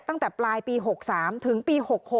ตั้งแต่ปลายปี๖๓ถึงปี๖๖